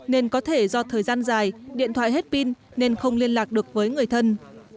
nên có thể do thời gian dài điện thoại hết pin nên không liên lạc được với người thân